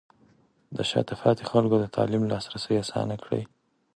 د شاته پاتې خلکو ته د تعلیم لاسرسی اسانه کړئ.